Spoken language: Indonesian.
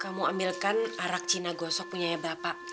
kamu ambilkan arak cina gosok punya ya bapak